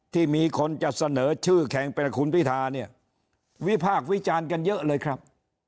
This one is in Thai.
ที่มีคนจะเสนอชื่อแข่งเป็นคุณพิธาเนี่ยวิพากษ์วิจารณ์กันเยอะเลยครับ